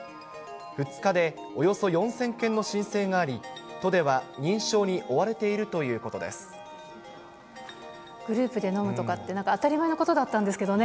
２日でおよそ４０００件の申請があり、都では認証に追われているグループで飲むとかって、なんか当たり前のことだったんですけどね。